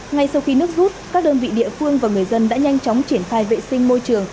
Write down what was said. ngay sau khi nước rút các đơn vị địa phương và người dân đã nhanh chóng triển khai vệ sinh môi trường